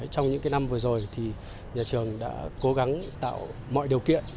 trong những năm vừa rồi thì nhà trường đã cố gắng tạo mọi điều kiện